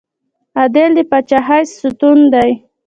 عدل د پاچاهۍ ستون دی